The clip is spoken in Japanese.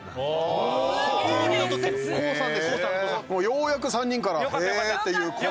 ようやく３人から「へぇ」っていう声がね。